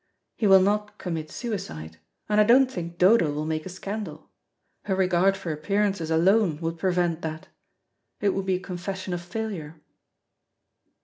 He will not commit suicide, and I don't think Dodo will make a scandal. Her regard for appearances alone would prevent that. It would be a confession of failure."